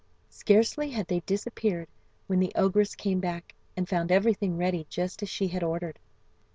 Scarcely had they disappeared when the ogress came back, and found everything ready just as she had ordered.